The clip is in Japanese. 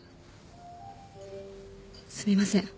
すみません。